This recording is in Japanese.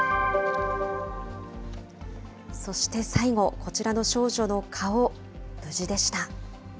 そして最後、こちらの少女の顔、無事でした。